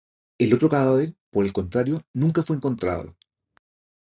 El otro cadáver, por el contrario, nunca fue encontrado.